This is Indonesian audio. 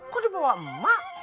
kok dibawa emak